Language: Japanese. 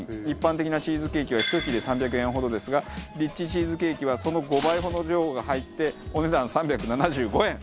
一般的なチーズケーキは１切れ３００円ほどですがリッチチーズケーキはその５倍ほどの量が入ってお値段３７５円。